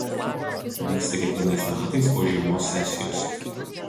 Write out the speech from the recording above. Vyksta kiekvienais metais po žiemos sesijos.